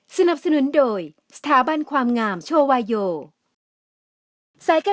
สนับสนุนโดยสถาบันความงามโชวาโย